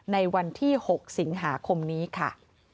ในวันที่๖สิงหาคมนี้ค่ะ